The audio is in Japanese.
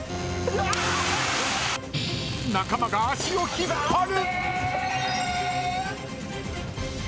仲間が足を引っ張る！